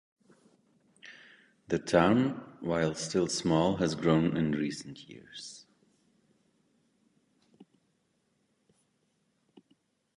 The town, while still small, has grown in recent years.